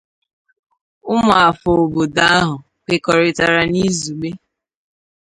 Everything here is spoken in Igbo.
ụmụafọ obodo ahụ kwekọrịtara n'izùgbe